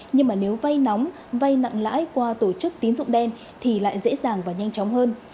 nhưng mà nếu vay nóng vay nặng lãi qua tổ chức tín dụng đen thì lại dễ dàng và nhanh chóng hơn